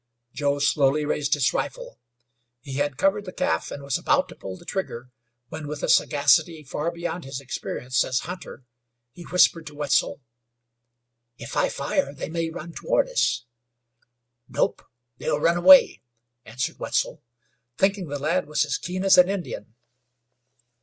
Joe slowly raised his rifle. He had covered the calf, and was about to pull the trigger, when, with a sagacity far beyond his experience as hunter, he whispered to Wetzel: "If I fire they may run toward us." "Nope; they'll run away," answered Wetzel, thinking the lad was as keen as an Indian.